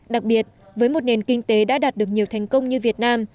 đặc biệt với một nền kinh tế đã đạt được nhiều thành công như việt nam